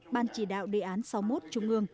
ban chỉ đạo đề án sáu mươi một trung ương